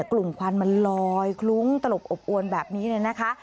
ควันมันลอยคลุ้งตลบอบอวนแบบนี้เลยนะคะ